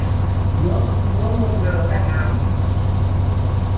یا کو ول ول دے روان تھی